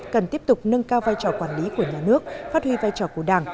cần tiếp tục nâng cao vai trò quản lý của nhà nước phát huy vai trò của đảng